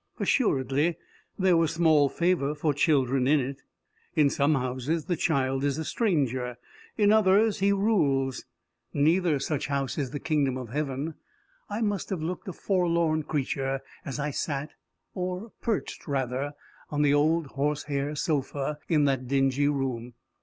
Assuredly there was small favour for children in it. In some houses the child is as a stranger; in others he rules: neither such house is in the kingdom of heaven. I must have looked a forlorn creature as I sat, or perched rather, on the old horsehair sofa in that dingy room.